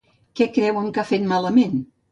Què creuen que ha fet malament?